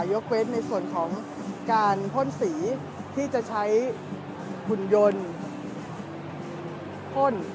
ยกเว้นในส่วนของการพ่นสีที่จะใช้หุ่นยนต์พ่น